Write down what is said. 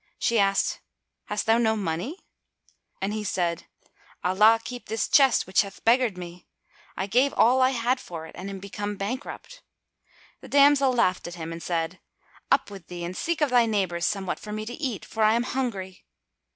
She asked, "Hast thou no money?"; and he said, "Allah keep this chest which hath beggared me: I gave all I had for it and am become bankrupt." The damsel laughed at him and said, "Up with thee and seek of thy neighbours somewhat for me to eat, for I am hungry."